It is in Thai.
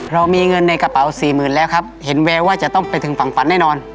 เรามีเงินในกระเป๋าสี่หมื่นแล้วครับเห็นแววว่าจะต้องไปถึงฝั่งฝันแน่นอน